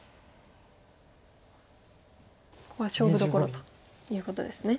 ここは勝負どころということですね。